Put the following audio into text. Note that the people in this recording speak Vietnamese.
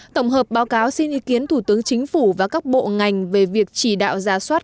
tổng hợp báo cáo xin ý kiến thủ tướng chính phủ và các bộ ngành về việc chỉ đạo giả soát